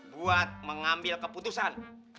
buat mengambil keputusan